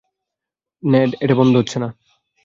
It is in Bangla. নেড, এটা বন্ধ হচ্ছে না।